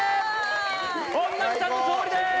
本並さんの勝利です！